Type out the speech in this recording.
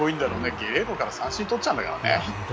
ゲレーロから三振取っちゃうんだからね。